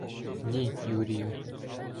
— Ні, Юрію.